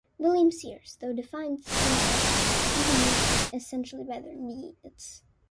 William Sears, though, defines infants even more essentially by their "needs".